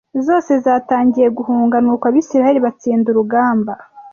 Zose zatangiye guhunga nuko Abisirayeli batsinda urugamba